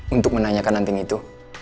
untuk menanyakan anting itu